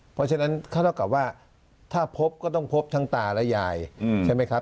เพราะฉะนั้นเขาเท่ากับว่าถ้าพบก็ต้องพบทั้งตาและยายใช่ไหมครับ